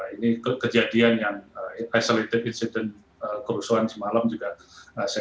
ini kejadian yang isolated incident kerusuhan semalam juga saya ingin mengingatkan